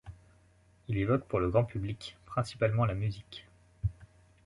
Il évoque pour le grand public principalement la musique.